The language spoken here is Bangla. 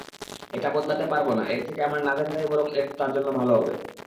এটা বদলাতে পারবো না এর থেকে আমার না দেখাটাই বরং তার জন্য ভালো হবে।